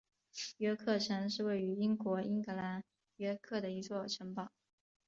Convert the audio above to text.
约克城是位于英国英格兰约克的一座城堡。